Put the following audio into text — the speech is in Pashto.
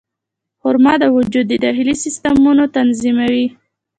خرما د وجود د داخلي سیستمونو تنظیموي.